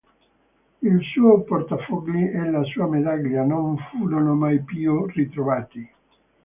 Il suo portafogli e la sua medaglia non furono mai più ritrovati.